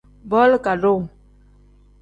Booli kadoo.